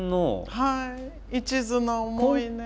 はい一途な思いね。